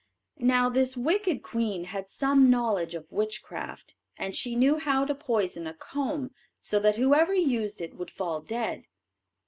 Now this wicked queen had some knowledge of witchcraft, and she knew how to poison a comb, so that whoever used it would fall dead.